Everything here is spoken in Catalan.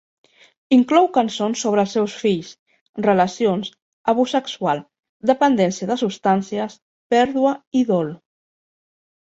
Inclou cançons sobre els seus fills, relacions, abús sexual, dependència de substàncies, pèrdua i dol.